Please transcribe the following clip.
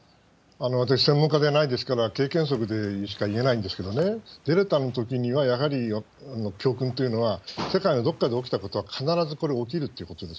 私、専門家でないですから、経験則でしか言えないんですけれども、デルタのときにはやはり教訓というのは、世界のどこかで起きたことは必ずこれ、起きるということです。